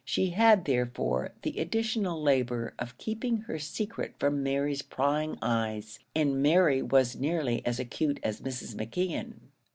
She had, therefore, the additional labour of keeping her secret from Mary's prying eyes, and Mary was nearly as acute as Mrs. McKeon.